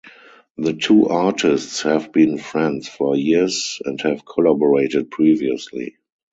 The two artists have been friends for years and have collaborated previously.